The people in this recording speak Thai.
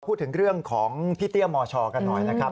พูดถึงเรื่องของพี่เตี้ยมชกันหน่อยนะครับ